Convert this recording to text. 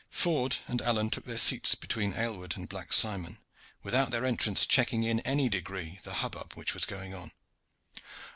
Ford and Alleyne took their seats between Aylward and Black Simon, without their entrance checking in any degree the hubbub which was going on.